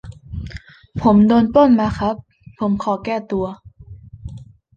ผมโดนปล้นมาครับท่าน ผมขอแก้ตัว